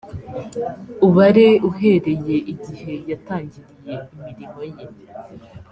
ubare uhereye igihe yatangiriye imirimo ye .